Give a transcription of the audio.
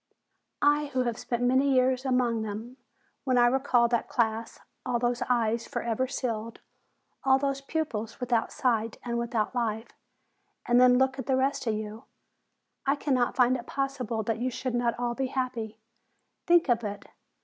"I who have spent many years among them, when I recall that class, all those eyes forever sealed, all those pupils without sight and without life, and then look at the rest of you, I cannot find it possible that you should not all be happy. Think of it!